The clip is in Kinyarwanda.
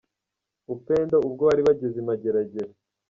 Upendo ubwo bari bageze i Mageragere.